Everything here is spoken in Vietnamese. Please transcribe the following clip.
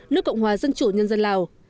nước cộng hòa dân chủ nhân dân lào